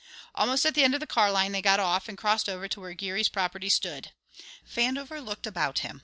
Almost at the end of the car line they got off and crossed over to where Geary's property stood. Vandover looked about him.